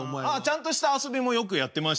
ちゃんとした遊びもよくやってましたよ。